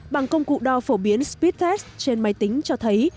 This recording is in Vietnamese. bằng công cụ đo phổ biến spitters trên máy tính cho thấy